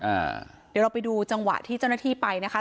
อ่าเดี๋ยวเราไปดูจังหวะที่เจ้าหน้าที่ไปนะคะ